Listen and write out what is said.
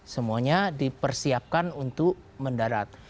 semuanya dipersiapkan untuk mendarat